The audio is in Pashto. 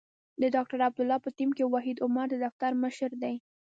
د ډاکټر عبدالله په ټیم کې وحید عمر د دفتر مشر دی.